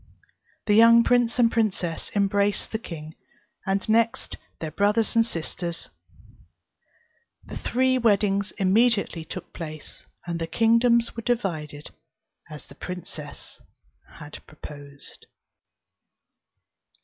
The young prince and princess embraced the king, and next their brothers and sisters; the three weddings immediately took place; and the kingdoms were divided as the princess had proposed.